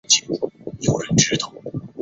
他的作品也全部被禁。